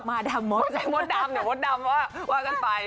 เจมส์ดำเดี๋ยวมดดำว่ากันไป